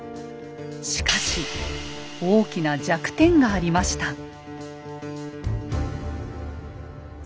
しかし大きな弱点がありました。